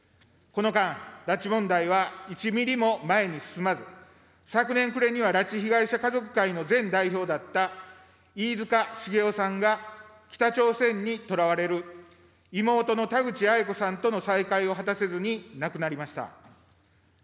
この間、拉致問題は１ミリも前に進まず、昨年暮れには拉致被害者家族会の前代表だった飯塚繁雄さんが北朝鮮にとらわれる妹の田口八重子さんとの再会を果たせずに亡くなりました。